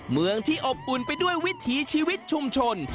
เมืองที่อบอุ่นไปด้วยวิถีชีวิตชุมชน